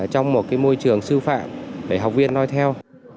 trong một môi trường sư phạm để học viên nói theo